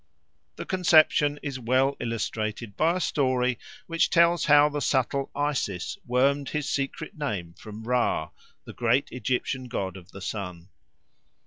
The conception is well illustrated by a story which tells how the subtle Isis wormed his secret name from Ra, the great Egyptian god of the sun.